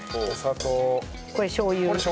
これしょう油。